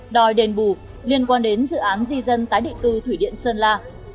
đòi đền bù liên quan đến dự án di dân tái định cư thủy điện sơn la